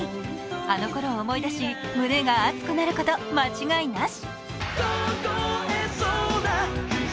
あのころを思い出し、胸が熱くなること間違いなし。